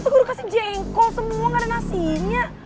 tuh gue udah kasih jengkol semua gak ada nasinya